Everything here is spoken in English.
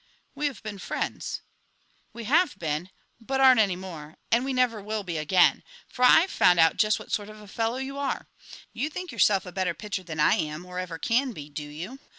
"We have been friends." "We have been, but aren't any more, and we never will be again; for I've found out just what sort of a fellow you are. You think yourself a better pitcher than I am or ever can be, do you?